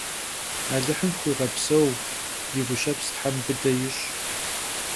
Alıhım fxuiğepseu, yi guşeps them bıde yiş'!